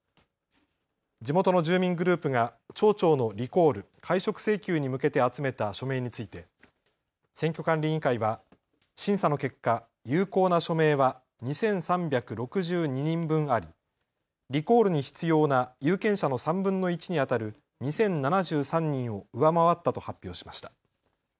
地元の住民グループが町長のリコール・解職請求に向けて集めた署名について選挙管理委員会は審査の結果、有効な署名は２３６２人分あり、リコールに必要な有権者の３分の１にあたる２０７３人を上回ったと発表しました。